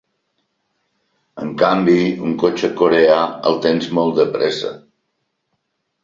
En canvi, un cotxe coreà, el tens molt de pressa.